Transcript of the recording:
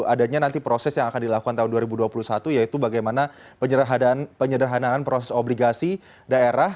adanya nanti proses yang akan dilakukan tahun dua ribu dua puluh satu yaitu bagaimana penyederhanaan proses obligasi daerah